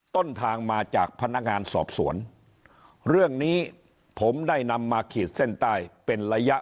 ต้นทางมาจากพนักงานสอบสวนเรื่องนี้ผมได้นำมาขีดเส้นใต้เป็นระยะ